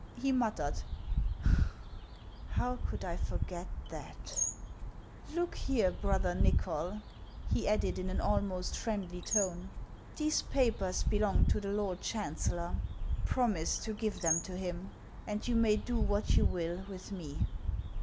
He muttered :" How could I forget that ? Look HANS OF ICELAND. 517 here, brother Nychol," he added in an almost friendly tone ;" these papers belong to the lord chancellor. Prom ise to give them to him, and you may do what you will with me."